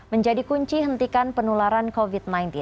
menjadi kunci hentikan penularan covid sembilan belas